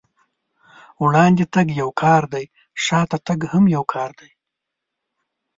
وړاندې تګ يو کار دی، شاته تګ هم يو کار دی.